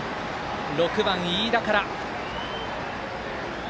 ６番、飯田から。